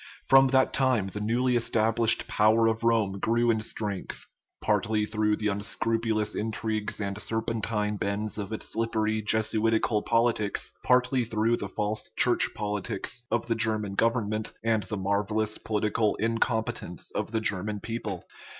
From that time the newly established power of Rome grew in strength ; partly through the unscrupulous intrigues and serpentine bends of its slippery Jesuitical politics, partly through the false Church politics of the German government and the marvellous political incompetence of the German people.